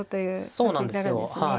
そうなんですよはい。